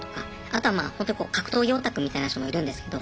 あとはまあ格闘技オタクみたいな人もいるんですけど。